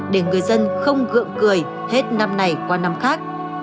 để người dân không gợm cười hết năm này qua năm khác